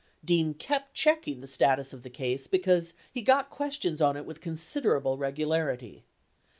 Dean kept checking the status of the case, because he "got questions on it with considerable regularity."